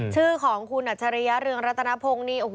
ชื่อของคุณอัจฉริยะเรืองรัตนพงศ์นี่